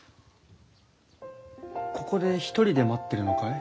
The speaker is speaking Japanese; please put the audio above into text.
ここで一人で待ってるのかい？